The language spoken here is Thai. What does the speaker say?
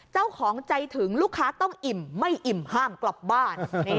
เจ้าของใจถึงลูกค้าต้องอิ่มไม่อิ่มห้ามกลับบ้าน